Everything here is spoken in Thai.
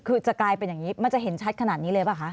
คือจะกลายเป็นอย่างนี้มันจะเห็นชัดขนาดนี้เลยป่ะคะ